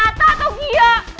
ata atau gia